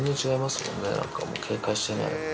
もんね、警戒してない。